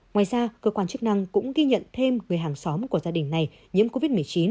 ngoài ra cơ quan chức năng cũng ghi nhận thêm người hàng xóm của gia đình này nhiễm covid một mươi chín